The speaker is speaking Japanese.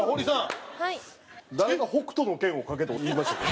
誰が『北斗の拳』を描けと言いましたか？